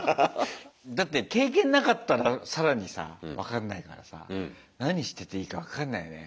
だって経験なかったら更にさ分かんないからさ何してていいか分かんないね。